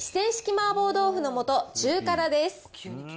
麻婆豆腐の素中辛です。